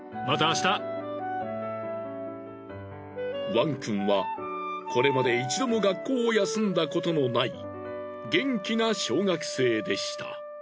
ワンくんはこれまで一度も学校を休んだことのない元気な小学生でした。